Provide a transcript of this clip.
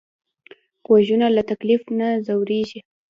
غوږونه له تکلیف نه ځورېږي